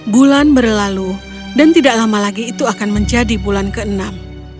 bulan berlalu dan tidak lama lagi itu akan menjadi bulan ke enam